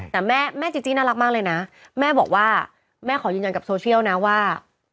แต่แม่แม่จีจี้น่ารักมากเลยนะแม่บอกว่าแม่ขอยืนยันกับโซเชียลนะว่า